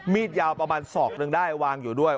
ยาวประมาณศอกหนึ่งได้วางอยู่ด้วย